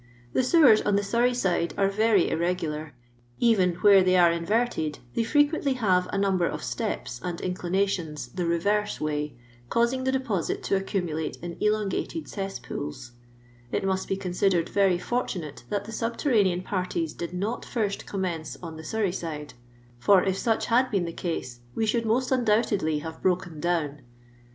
" The sewers on the Surrey side are very irre gular; even where they are inverted they fre quently have a number of steps and inclinations tiia reverse way, causing the deposit to accumulate m ttcngated cittpooU, It must be considered very fortunate that the •ubterranean parties did not first commence on the Surrey side, for if such had been the case, we should most undoubtedly have broken down.